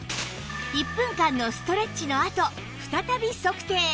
１分間のストレッチのあと再び測定